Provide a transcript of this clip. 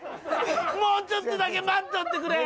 もうちょっとだけ待っとってくれ！